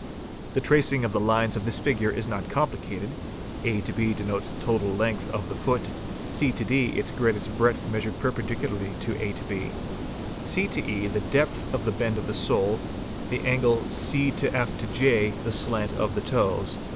The tracing of the lines of this Psu | figure is not complicated ; A B denotes the total length of | wee . the foot; C D its greatest breadth measured prependi cularly to A B; C E the depth of the bend of the sole; « the angle C F J the slant of the toes.